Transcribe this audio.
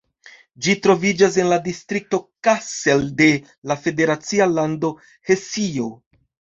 Ĝi troviĝas en la distrikto Kassel de la federacia lando Hesio.